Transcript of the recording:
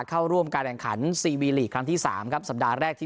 เข้าร่วมการแข่งขันซีวีลีกครั้งที่๓ครับสัปดาห์แรกที่